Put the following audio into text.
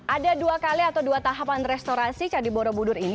ada dua kali atau dua tahapan restorasi candi borobudur ini